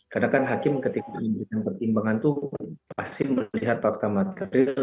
karena kan hakim ketika diberi pertimbangan itu pasti melihat fakta materiel